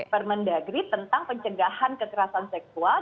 permendagri tentang pencegahan kekerasan seksual